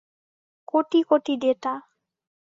কোটি কোটি ডেটা।